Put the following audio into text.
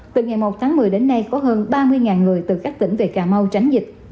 từ ngày một tháng một mươi đến nay có hơn ba mươi người từ các tỉnh về cà mau tránh dịch